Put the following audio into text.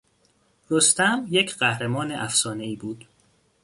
رستم یک قهرمان افسانهای بود.